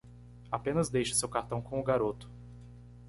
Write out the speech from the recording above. Apenas deixe seu cartão com o garoto.